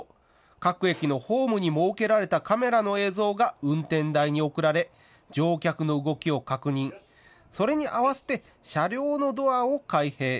各駅のホームに設けられたカメラの映像が運転台に送られ乗客の動きを確認、それに合わせて車両のドアを開閉。